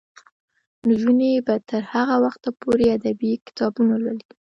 نجونې به تر هغه وخته پورې ادبي کتابونه لولي.